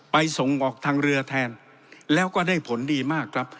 ส่งออกทางเรือแทนแล้วก็ได้ผลดีมากครับ